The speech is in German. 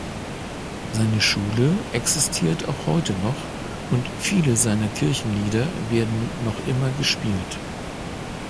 Seine Schule existiert auch heute noch und viele seiner Kirchenlieder werden noch immer gespielt.